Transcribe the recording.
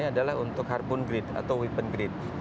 ini adalah untuk harpoon grid atau weapon grid